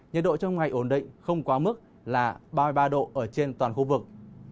nhiệt độ trong ngày ổn định không quá mức là ba mươi ba độ ở trên toàn khu vực